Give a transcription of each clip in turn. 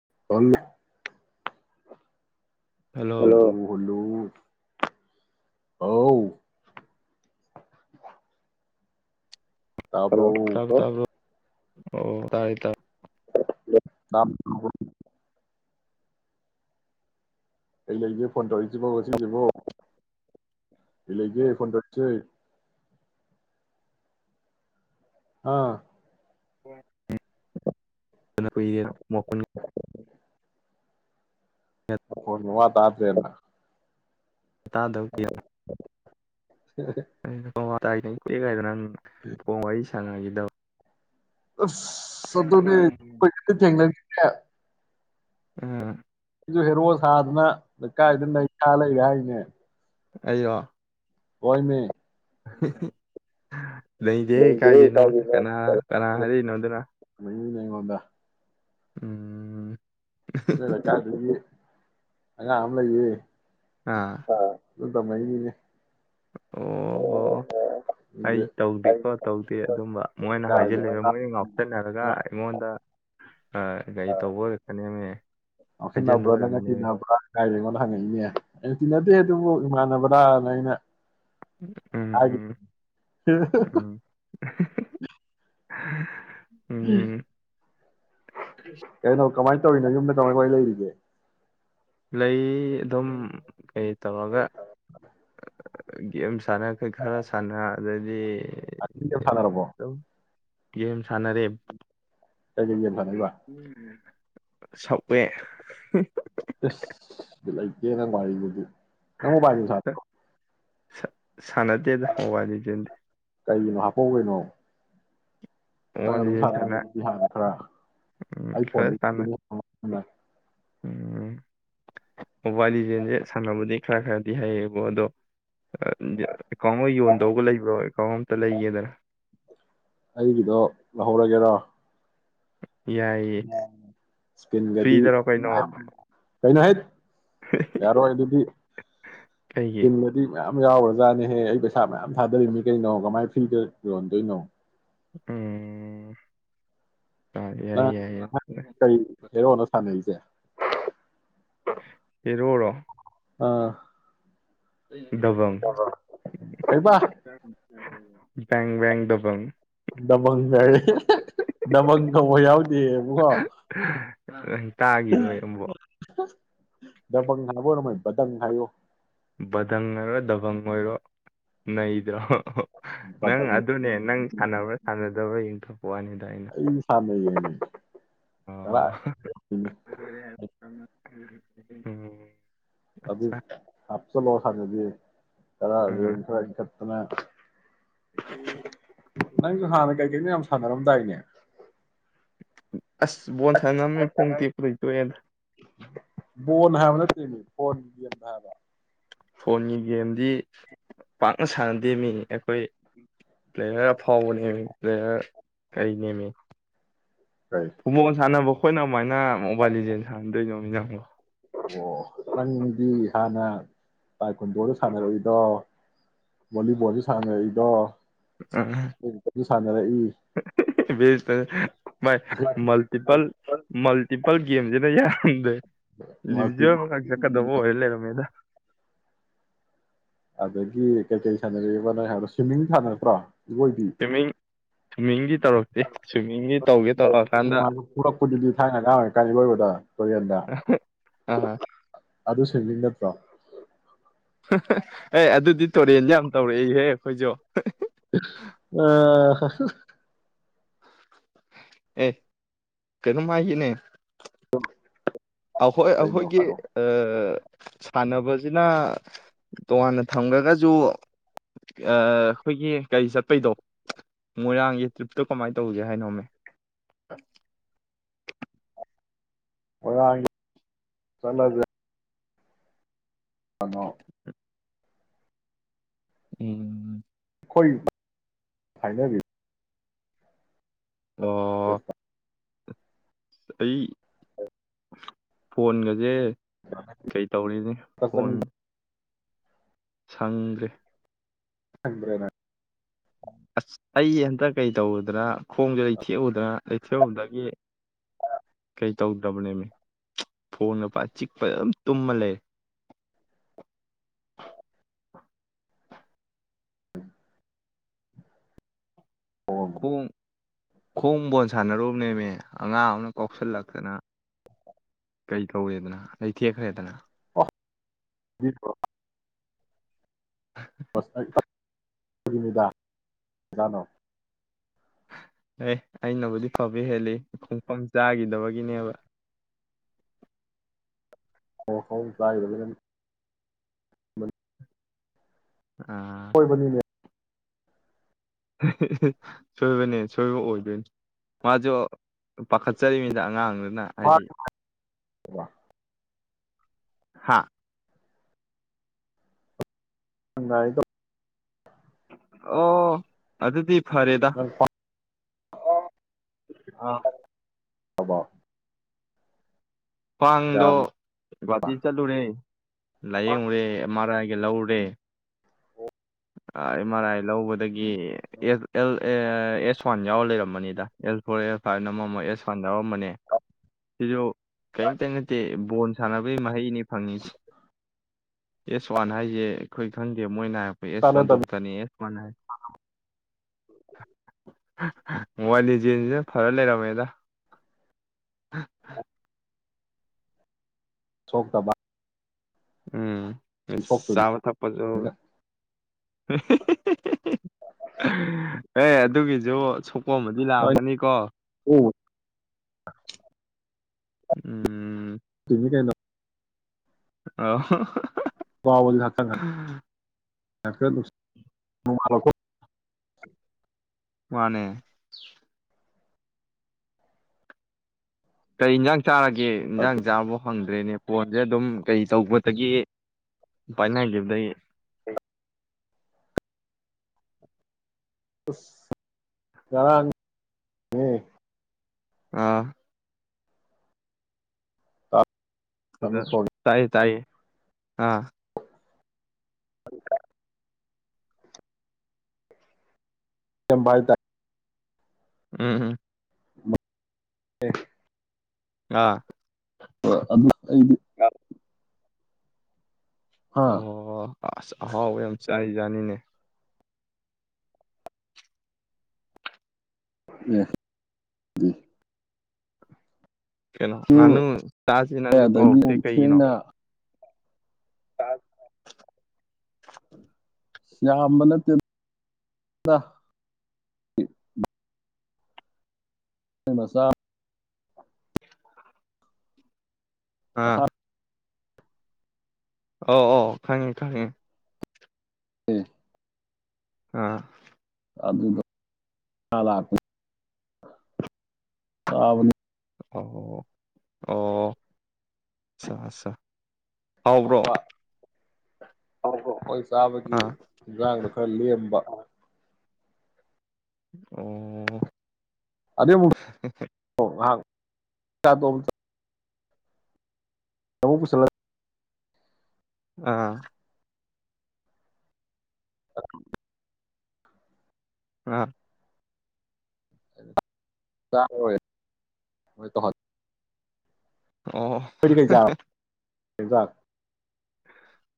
[unintelligible] Hello ꯃꯨꯂꯨ ꯍꯥꯎ ꯇꯕ꯭ꯔ ꯇꯥꯕ꯭ꯔꯣ [unintelligible] ꯇꯥꯕ꯭ꯔꯣ ꯑꯣ ꯇꯥꯔꯦ ꯇꯥꯔꯦ [inaudible] ꯑꯩ ꯂꯩꯒꯦ ꯐꯣꯟ ꯇꯪꯔꯛꯖꯤꯕꫭ ꯉꯁꯤꯖꯤꯕꫭ ꯀꯩ ꯂꯩꯒꯦ ꯐꫭꯟ‌ꯇꯧꯔꯛ ꯏꯖꯦ ꯑꯥ ꯍꯣꯏ ꯑꯗꯨꯅꯔ ꯃꯀꯟ ꯃꯥ ꯈꫭꯟ ꯃꯥꯋꯥ ꯇꯗ꯭ꯔꯦꯗ ꯇꯥꯗꯕ ꯀꯨꯏꯔꯦ [unintelligible] ꯑꯣ ꯀꯣꯏꯦꯒꯥꯏꯗꯅꯪ ꯐꫭꯟ ꯋꯥꯔꯤ ꯆꯟꯅꯒꯤꯗꯕ ꯑꯁ ꯑꯗꯨꯅꯦ [unintelligible] ꯇꯦꯡꯅꯒꯤꯗ꯭ꯔꯦ ꯎꯝ ꯍꯦ ꯔꯣ ꯁꯥꯗꯅ ꯂꯩꯀꯥꯏꯗ ꯅꯩꯁꯥ ꯂꯩꯔꯦ ꯍꯥꯏ ꯅꯦ ꯑꯩꯔꫭ ꯍꫭꯏꯃꯦ [unintelligible] ꯂꯩꯗꯦꯍꯦ ꯀꯥꯏꯗꯩꯅꯣ ꯀꯅꯥ ꯀꯅꯥ ꯍꯥꯏꯔꯛꯏꯅꯣ ꯑꯗꯨꯅ [unintelligible] ꯎꯝ ꯅꫭꯏ ꯂꯩꯀꯥꯏꯗꯒꯤ ꯑꯉꯥꯡ ꯑꯝ ꯂꯩꯌꯦ ꯑꯥ ꯑ ꯑꯗꯨꯗ ꯃꯥꯏꯒꯤꯅꯦ ꯑꯣ ꯍꯣ ꯑꯩ ꯑꯗꯨꯗꯤ ꯑꯩ ꯇꯧꯗꯦꯀꯣ ꯇꯧꯗꯦ ꯑꯗꯨꯝꯕ ꯃꯣꯏꯅ ꯂꯩꯀꯥꯏꯗ ꯍꯥꯏꯖꯤꯂꯕ ꯄꯪꯇꯥ ꯃꯣꯏꯅ ꯉꯥꯎꯁꯟꯅꯔꯒ ꯑꯩꯉꯣꯟꯗ ꯒꯥꯔꯤ ꯇꯧꯕ ꯑꯣꯏꯔꯛꯀꯅꯦꯃꯦ ꯍꯩꯖꯤꯟꯕ ꯑꯣꯏꯔꯛꯀꯅꯦꯃꯤ ꯐꯪꯉꯛꯏꯅꯦ ꯑꯩꯅ ꯇꯤꯟꯅꯗꯦ ꯑꯗꯨꯕꯨ ꯏꯃꯥꯟꯅꯕ꯭ꯔꯥꯅ ꯑꯩꯅ ꯎꯝ ꯍꯥꯏꯦ ꯎꯝ [inaudible] ꯀꯩꯅ ꯅ ꯀꯃꯥꯏ ꯇꯧꯔꯤꯅ ꯌꯨꯝꯗ ꯇꯧꯔ ꯑꯩꯈꯣꯏ ꯂꯩꯔꯤꯒꯦ ꯂꯩ ꯑꯗꯨꯝ ꯀꯩ ꯇꯧꯔꯒ ꯒꯦꯝ ꯁꯥꯟꯅꯈꯩ ꯈꯔ ꯁꯥꯟꯅ ꯑꯗꯩꯗꯤ ꯑꯦ ꯐꯂꯔꯔꯕꯣ ꯑꯗꯨꯝ ꯒꯦꯝ ꯁꯥꯟꯅꯔꯦ ꯀꯖꯦꯜ ꯊꯕ ꯁꯛꯋꯦ ꯌꯦꯦꯅ ꯃꯥꯒꯗꯤ ꯅꯪ ꯃꯣꯕꯥꯏꯜ ꯂꯦꯖꯤꯟ ꯁꯅꯥꯕ꯭ꯔꯣ? ꯁꯥꯟꯅꯗꯦꯗ ꯍꯋꯥꯅꯤ ꯆꯤꯟꯗꯦ ꯍꯥꯄꯦꯅꯣ ꯅꯪ ꯃꯣꯕꯥꯏꯜ ꯑꯗꯨꯝ ꯂꯤꯖꯦꯟ ꯁꯥꯟꯅ ꯁꯥꯟꯅꯗꯣꯏꯗꯤ ꯍꯥꯟꯅ ꯈꯔ ꯎꯝ ꯑꯩ ꯈꯔ ꯐꯣꯟꯗ ꯁꯥꯟꯅ ꯑ ꯎꯝ ꯃꯣꯕꯥꯏꯜ ꯂꯤꯗꯤꯖꯦꯟꯁꯦ ꯁꯥꯟꯅꯕꯗꯤ ꯈꯔ ꯈꯔꯗꯤ ꯍꯩꯌꯦꯕꯣ ꯑꯗꯣ ꯑꯦꯀꯥꯎꯟ ꯌꯣꯟꯗꯧꯕꯒ ꯂꯩꯕ꯭ꯔꯣ ꯑꯦꯀꯥꯎꯟ ꯑꯝꯇ ꯂꯩꯒꯦꯗꯅ ꯍꯧꯔꯒꯦꯔꯥ ꯌꯥꯏꯌꯦ ꯏꯁꯄꯤꯟꯒꯗꯤ ꯐ꯭ꯔꯤꯗꯔꯣ ꯀꯩꯅꯣ ꯀꯩꯅꯣ ꯍꯥꯏ ꯌꯥꯔꯣꯏ ꯑꯗꯨꯗꯤ ꯀꯩꯒꯤ ꯀꯗꯤ ꯌꯥꯝ ꯌꯥꯎꯔ ꯖꯥꯠꯅꯦꯍꯦ ꯑꯩ ꯄꯩꯁꯥ ꯃꯌꯥꯝ ꯊꯥꯗꯔꯤꯕꯃꯤ ꯀꯩꯅꯣ ꯀꯃꯥꯏ ꯐ꯭ꯔꯤꯗ ꯌꯣꯟꯗꯣꯏꯅꯣ ꯎꯝ ꯑ ꯌꯥꯏ ꯌꯥꯏ ꯑꯦꯔꯣ ꯅ ꯊꯅꯦꯁꯦ ꯏꯔꯔ ꯑꯥ ꯗꯕꯪ ꯑ ꯑꯣꯏꯣꯏꯕ ꯕꯦꯡ ꯦꯡꯦꯡ ꯗꯕꯪ ꯗꯕꯪ ꯉꯔꯦ ꯗꯕꯪ ꯀꯧꯕ ꯌꯥꯎꯗꯦꯕꯀꯣ ꯅꯪ ꯇꯥꯈꯤꯔꯣꯏ ꯑꯃꯨꯛ ꯗꯕꯪ ꯍꯥꯏꯕ ꯑꯣꯏꯔꯝꯃ ꯄ꯭ꯔꯗꯪ ꯍꯥꯏꯌꯣ ꯕꯙꯪ ꯑꯣꯏꯔꯣ ꯗꯕꯪ ꯑꯣꯏꯔꯣ ꯅꯩꯗ꯭ꯔꯣ ꯅꯪ ꯕꯗꯪ ꯑꯗꯨꯅꯦ ꯅꯪ ꯁꯥꯟꯅꯕ꯭ꯔꯥ ꯁꯥꯟꯅꯗꯕꯥꯒꯤꯡꯗꯣ ꯏꯗꯤ ꯁꯝꯒꯤꯅ ꯑ ꯑꯣ ꯎꯝ ꯑ ꯑꯆꯥ ꯍꯥꯆ ꯂꯅ ꯀꯔ ꯔꯠ ꯑꯥ ꯑꯗꯨꯃ ꯅꯁꯨ ꯍꯥꯟꯅ ꯀꯩ ꯀꯅꯤ ꯌꯥꯝ ꯁ ꯔꯝ ꯇꯏꯩꯅ ꯑꯁ ꯕꯣꯟ ꯁꯥꯟꯃꯦ ꯐꯨꯡꯗꯤꯦ ꯐꯩꯇꯣꯅ ꯕꯣꯟ ꯍꯥꯏꯕ ꯅꯠꯇꯔꯤꯅꯤ ꯐꯕꯣꯟ ꯦꯝ ꯍꯥꯏꯕ ꯐꯣꯟꯒꯤ ꯒꯦꯝꯗꯤ ꯄꯥꯛꯅ ꯁꯥꯟꯅꯗꯦ ꯃꯤ ꯍꯣꯏ ꯄ꯭ꯂꯦꯌꯔ ꯑꯐꯥꯎꯕ ꯅꯦꯝꯃꯤ ꯄ꯭ꯂꯦꯌꯔ ꯀꯔꯤ ꯅꯦꯝꯃꯤ ꯀꯩ ꯐꯨꯠꯕꯣꯜ ꯁꯥꯟꯅꯕ ꯑꯩꯈꯣꯏꯅ ꯑꯗꯨꯃꯥꯏꯅ ꯃꯣꯕꯥꯏꯜ ꯂꯤꯖꯦꯜ ꯁꯥꯟꯅꯟꯗꯣꯏꯅꯣ ꯝꯒꯣ ꯑꯣ ꯅꯪꯗꯤ ꯍꯥꯟꯅ ꯇꯥꯏꯀꯨꯟꯗꯣꯗ ꯁꯥꯟꯅꯔꯛꯏꯗꯣ ꯚꯣꯂꯤꯕꯣꯜꯗ ꯁꯥꯟꯅꯔꯛꯏꯗꯣ ꯑꯥ ꯁꯥꯟꯅꯔ ꯏ ꯦꯁ ꯇ ꯥꯏ ꯃꯜꯇꯤꯄꯜ ꯃꯜꯇꯤꯄꯜ ꯄꯜꯒꯤꯦꯝꯁꯤꯅ ꯌꯥꯝꯗꯦ ꯃꯜꯇꯤ ꯂꯤꯖꯕ ꯆꯀꯕꯨꯣ ꯏꯂꯦ ꯅ ꯃꯃꯦꯗ ꯑꯗꯒꯤ ꯀꯩ ꯀꯔꯤ ꯁꯥꯟꯅꯔꯕ ꯅꯣ ꯍꯥꯏꯣ ꯁ꯭ꯋꯤꯝꯃꯤꯡ ꯁꯥꯟꯅꯔꯠꯇ꯭ꯔꯣ ꯑꯣꯏꯣꯏꯕꯤ ꯍꯤ ꯄꯨꯔꯛꯄꯗꯨꯗꯤ ꯊꯥꯏꯅ ꯀꯥꯡ ꯀꯥꯏ ꯂꯣꯏꯕꯗ ꯑꯥ ꯑꯗꯨ ꯁꯕꯤ ꯅꯠꯇ꯭ꯔꯣ ꯑꯦ ꯑꯗꯨꯗꯤ ꯇꯨꯔꯦꯟ ꯌꯥꯝ ꯇꯧꯔꯛꯏꯍꯦ ꯑꯩꯈꯣꯏꯁꯨ ꯐ ꯑꯦ ꯀꯩꯅ ꯃꯥꯒꯤꯅꯦ ꯎꯝ ꯑꯩꯈꯣꯏ ꯑꯩꯈꯣꯏꯒꯤ ꯑ ꯁꯥꯟꯅꯕꯁꯤꯅ ꯇꯣꯉꯥꯟꯅ ꯊꯝꯈꯒꯁꯨ ꯑꯩꯈꯣꯏꯒꯤ ꯀꯔꯤ ꯆꯠꯄꯩꯗꯣ ꯃꯣꯏꯔꯥꯡꯒꯤ ꯇ꯭ꯔꯤꯞꯇꯣ ꯀꯃꯥꯏꯅ ꯇꯧꯒꯦ ꯍꯥꯏꯅꯣꯝꯃꯦ ꯑꯣꯔꯥꯡ ꯆꯂ ꯑꯗꯨ ꯊꯃꯣ ꯎꯝ ꯑꯩꯈꯣꯏ ꯍꯥꯏꯅꯕꯤ ꯑꯣ ꯑꯩ ꯐꯣꯟꯒꯁꯦ ꯀꯩ ꯇꯧꯔꯤꯅꯤ ꯐꯣꯟ ꯁꯪꯗ꯭ꯔꯦ ꯈꯪꯕ꯭ꯔ ꯅꯪ ꯑꯁ ꯑꯩ ꯍꯟꯇꯛ ꯀꯩ ꯇꯧꯔꯨꯗꯅ ꯈꯣꯡꯁꯨ ꯑꯩ ꯊꯦꯛꯎꯗꯅ ꯑꯦꯛꯆꯕꯝꯗꯒ ꯀꯩ ꯇꯧꯗ꯭ꯔꯕꯅꯦꯃꯤ ꯐꯣꯡꯒꯄꯥ ꯆꯤꯛꯄ ꯑꯗꯨꯝ ꯇꯨꯝꯃ ꯂꯩꯔꯦ꯫ [unintelligible] ꯈꯣꯡ ꯈꯣꯡ ꯕꯣꯟ ꯁꯥꯟꯅꯔꯨꯕꯅꯦꯃꯦ, ꯑꯉꯥꯡ ꯑꯃꯅ ꯀꯥꯎꯁꯜꯂꯛꯇꯅ ꯀꯩ ꯇꯧꯋꯦꯗꯅ ꯂꯩꯊꯦꯛꯈ꯭ꯔꯦꯗꯅ꯫ ꯑꫭ [unintelligible] ꯑꯦ ꯑꯩꯅꯕꯨꯗꯤ ꯐꯕ ꯍꯦꯜꯂꯤ ꯈꯣꯡꯐꯝ ꯆꯥꯈꯤꯗꯕꯒꯤꯅꯦꯕ꯫ [unintelligible] ꯑꯥ ꯍꯣꯏꯕꯅꯤꯅꯦ ꯁꯣꯏꯕꯅꯦ ꯁꯣꯏꯕ ꯑꯣꯏꯗꯣꯏꯅꯤ ꯃꯥꯁꯨ ꯄꯥꯈꯠꯆꯔꯤꯅꯤꯗ ꯑꯉꯥꯡꯗꯨꯅ ꯍꯥꯏꯗꯤ ꯋꯥ ꯍꯥꯥ ꯍꯪꯒꯥꯥꯏꯗ ꯑꯣ ꯑꯗꯨꯗꯤ ꯐꯔꯦꯗ ꯑꫭ ꯑꯥ ꯊꯕꯥ ꯈ꯭ꯋꯥꯡꯗꯣ ꯒꫭꯍꯥꯇꯤ ꯆꯠꯂꯨꯔꯦ꯫ ꯂꯌꯦꯡꯕ ꯌꯦꯡꯑꯦ ꯑꯝ ꯑꯌꯦ ꯑꯥꯏ ꯒꯦꯂꯧꯔꯦ ꯑ ꯑꯦꯝ ꯑꯥꯔ ꯑꯥꯏ ꯂꯧꯕꯗꯒꯤ ꯒꯤ A L A S one ꯌꯥꯎꯔ ꯂꯩꯔꯝꯕꯅꯤꯗ ꯑꯦꯁ ꯐꯣꯔ ꯑꯦꯁ ꯐꯥꯏꯚꯅ ꯑꯃꯃꯛ ꯑꯦꯁ ꯋꯥꯟ ꯌꯥꯎꯔꯝꯕꯅꯦ꯫ ꯁꯤꯁꯨ ꯀꯔꯤꯝꯇ ꯅꯠꯇꯦ ꯕꯣꯜ ꯁꯥꯟꯅꯕꯒꯤ ꯃꯍꯩꯅꯤ ꯐꯪꯉꯤ ꯑꯦꯁ ꯋꯥꯟ ꯍꯥꯏꯁꯦ ꯑꯩꯈꯣꯏ ꯈꯪꯗꯦꯕ꯫ ꯃꯣꯏꯅ ꯍꯥꯏꯔꯛꯄ ꯑꯦꯁ ꯋꯥꯟ ꯀꯥꯟꯅꯗꯕ ꯗꯣꯛꯇꯔꯅꯤꯌꯦ꯫ ꯃꯣꯕꯥꯏꯜ ꯂꯤꯖꯦꯟꯁꯤꯅ ꯐꯔ ꯂꯩꯔꯝꯃꯦꯗ꯫ ꯁꯣꯛ ꯇꯕ ꯎꯝ ꯆꯥꯕ ꯊꯛꯄꯁꯨ ꯑꯦ ꯑꯗꯨꯒꯤꯁꯨ ꯁꯣꯄꯣꯝꯝꯕꯗꯤ ꯍꯣꯏ ꯂꯥꯛꯑꯝꯒꯅꯤꯀꯣ ꯑꯣ ꯎꯝ ꯇꯨꯅꯤ ꯀꯩꯅꯣ ꯑ ꯋꯥꯎꯜ ꯇ ꯌꯥ ꯃꯃꯔꯣ ꯃꯅꯦ ꯀꯩꯖꯪ ꯆꯥꯔꯒꯦ ꯏꯟꯖꯥꯡ ꯆꯥꯕꯣ ꯐꯪꯗ꯭ꯔꯦꯅꯦ ꯐꯣꯟꯁꯦ ꯑꯗꯨꯝ ꯀꯩ ꯇꯧꯕꯗꯒꯤ ꯄꯥꯏꯅꯈꯤꯕꯗꯒꯤ ꯔꯥꯡ ꯑꯥ ꯀꯩꯅꯣ ꯑꯗ ꯊꯣꯡꯉꯦ ꯇꯥꯏꯌꯦ ꯇꯥꯏꯌꯦ ꯑꯥ ꯎꯝ ꯆꯚꯥꯏ ꯇꯥꯏ ꯎꯝꯝ ꯑꯦ ꯑꯥ ꯑ ꯑꯗꯨ ꯑꯩꯗꯤ ꯑꯥ ꯑ ꯑꯁ ꯑꯍꯥꯎꯕ ꯌꯥꯝ ꯆꯥꯏꯖꯥꯅꯤꯅꯦ ꯎ ꯎꯝ ꯀꯩꯅꯣ ꯉꯥꯅꯨ ꯑꯦ ꯆꯥꯁꯤꯅꯁꯨ ꯑꯗꯒꯤ ꯀꯧꯔꯛꯇꯦ ꯀꯩꯒꯤꯅꯣ ꯆ [inaudible] ꯁꯝꯕꯅ ꯕꯁ ꯑꯥ ꯑ ꯑꯣ ꯈꯪꯉꯦ ꯈꯪꯉꯦ ꯍ ꯑꯥ ꯑꯗꯨꯕ ꯑꯣ ꯑꯣ ꯑꯆꯥ ꯑꯆꯥ ꯍꯥꯎꯕ꯭ꯔꯣ ꯑ ꯍ ꯍ ꯆꯥꯕꯒꯤ ꯑꯥ ꯏꯟꯖꯥꯡꯗꯣ ꯈꯔ ꯂꯦꯝꯕ ꯑꯣ ꯑꯗ ꯀꯌꯥ ꯇꯣꯜꯗ ꯇꯧꯕꯕꯨ ꯆꯂ ꯑꯥ ꯑ ꯑꯥ ꯍ ꯑꯣ ꯍꯖꯥꯛ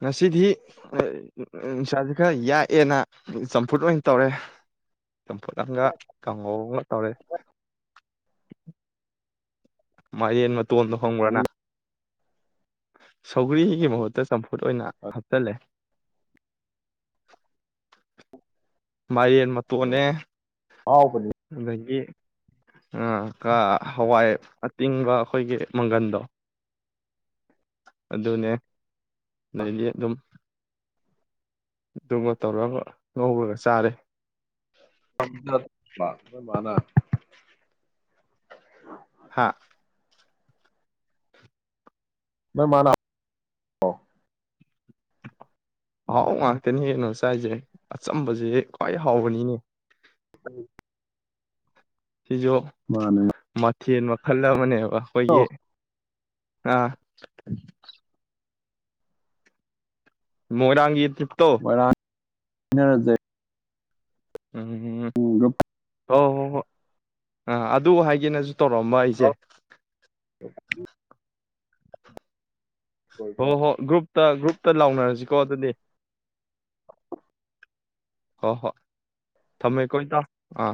ꯉꯁꯤꯗꯤ ꯅꯨꯡꯁꯥꯥꯁ ꯈꯔ ꯌꯥꯛꯑꯦꯅ ꯆꯝꯐꯨꯠ ꯑꯣꯏꯅ ꯇꯧꯔꯦ ꯆꯝꯐꯠꯂꯒ ꯀꯝ ꯇꯔꯦ ꯃꯥ ꯌꯦꯟ ꯃ ꯇꯣꯟꯗꯣ ꯍꯣꯡꯕ꯭ꯔꯅ ꯁꯧꯒ꯭ꯔꯤ ꯁꯧꯒ꯭ꯔꯤꯒꯤ ꯃꯍꯨꯠꯇ ꯆꯝꯐꯨꯠ ꯑꯣꯏꯅ ꯍꯥꯞꯆꯤꯜꯂꯦ ꯃꯥꯏꯔꯦꯟ ꯃꯇꯣꯟꯅꯦ ꯑꯍꯥꯎꯕꯅꯤ ꯑꯗꯒꯤ ꯀꯥ ꯍꯋꯥꯏ ꯑꯇꯤꯡꯕ ꯑꯩꯈꯣꯏꯒꯤ ꯃꯪꯒꯟꯗꯣ ꯑꯗꯨꯅꯦ ꯂꯩ ꯑꯗꯨꯝ ꯑꯗꯨꯒ ꯇꯧꯔꯒ ꯉꯧꯕꯒ ꯆꯥꯔꯦ [unintelligible] ꯄ ꯅꯣꯏꯃꯥꯅ ꯍꯥ [unintelligible] ꯑꯍꯥꯎ ꯉꯥꯛꯇꯅꯦ ꯀꯩꯅꯣ ꯆꯥꯏꯁꯦ ꯑꯆꯝꯕꯁꯦ ꯈ꯭ꯋꯥꯏ ꯍꯥꯎꯕꯅꯤꯅꯦ ꯎꯝ ꯁꯤꯖꯣ ꯆꯦꯟ ꯃꯈꯜ ꯑꯃꯅꯦꯕ ꯑꯩꯈꯣꯏꯒꯤ ꯑꯥ ꯃꯣꯏꯔꯥꯡꯒꯤꯠꯇ ꯃꫭꯏꯔꯥꯡ ꯏꯅꯔꯖ ꯎꯝ ꯑꯣ ꯍꯣꯏ ꯍꯣꯏ ꯑꯥ ꯑꯗꯨ ꯍꯥꯏꯒꯦꯅꯁꯨ ꯇꯧꯔꯑꯝꯕ ꯑꯩꯁꯦ ꯍ ꫭꯍꯣ ꯭ꯒꯔꯨꯨꯞ ꯇ ꯒ꯭ꯔꯨꯞꯇ ꯂꯥꯎꯅꯔꯁꯤꯀꯣ ꯑꯗꯨꯗꯤ ꯍꯣꯏ ꯍꯣꯏ ꯊꯝꯃꯦ ꯑꯩ ꯏꯇꯥꯎ ꯑꯥ